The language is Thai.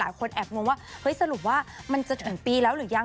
แอบงงว่าเฮ้ยสรุปว่ามันจะถึงปีแล้วหรือยัง